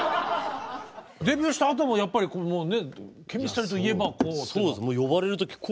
デビューしたあともやっぱりＣＨＥＭＩＳＴＲＹといえばこう。